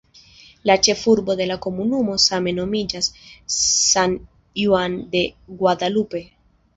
La ĉefurbo de la komunumo same nomiĝas "San Juan de Guadalupe".